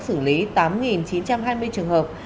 xử lý tám chín trăm hai mươi trường hợp